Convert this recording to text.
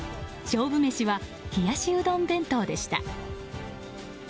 勝負メシは冷やしうどん弁当でした。